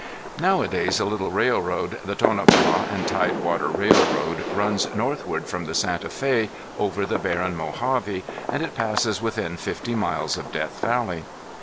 Nowadays a little railroad, the Tonapah and Tidewater Railroad, runs northward from the Santa Fe over the barren Mojave, and it passes within fifty miles of Death Valley.